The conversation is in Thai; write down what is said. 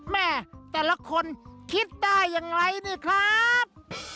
แม่แต่ละคนคิดได้อย่างไรนี่ครับ